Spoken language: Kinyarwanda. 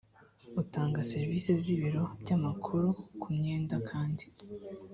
utanga serivisi z ibiro by amakuru ku myenda kandi